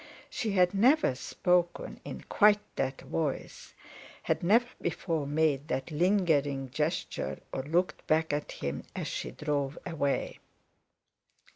She had never spoken in quite that voice, had never before made that lingering gesture or looked back at him as she drove away.